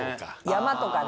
山とかね。